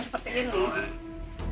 seperti ini loh